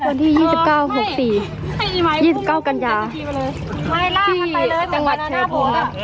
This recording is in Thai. วันที่๒๙๖๔๒๙กัญญาที่ต่างวันเชพภูมิ